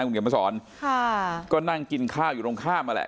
คุณเขียนมาสอนค่ะก็นั่งกินข้าวอยู่ตรงข้ามนั่นแหละ